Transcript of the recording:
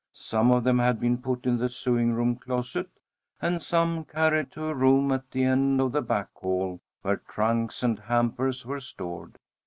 Some of them had been put in the sewing room closet, and some carried to a room at the end of the back hall, where trunks and hampers were stored.